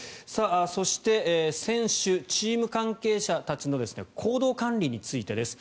そして選手、チーム関係者たちの行動管理についてです。